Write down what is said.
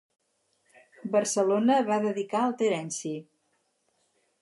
Barcelona va dedicar al Terenci.